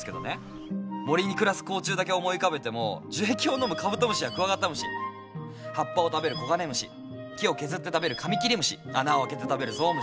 森に暮らす甲虫だけ思い浮かべても樹液を飲むカブトムシやクワガタムシ葉っぱを食べるコガネムシ木を削って食べるカミキリムシ穴を開けて食べるゾウムシ。